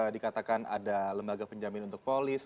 dikatakan ada lembaga penjamin untuk polis